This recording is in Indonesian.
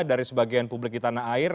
dari sebagian publik di tanah air